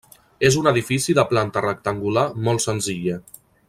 És un edifici de planta rectangular molt senzilla.